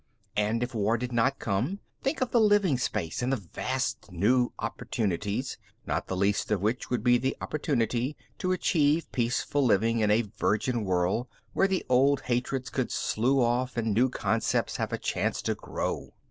And if war did not come, think of the living space and the vast new opportunities not the least of which would be the opportunity to achieve peaceful living in a virgin world, where the old hatreds would slough off and new concepts have a chance to grow.